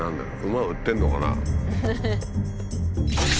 馬を売ってるのかな？